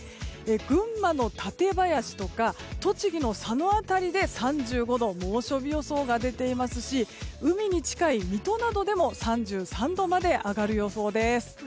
群馬の館林とか栃木の佐野辺りで猛暑日予想が出ていますし海に近い水戸などでも３３度まで上がる予想です。